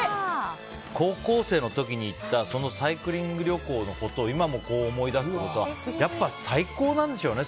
高校生の時に行ったサイクリング旅行のことを今も思い出すということはやっぱり最高なんでしょうね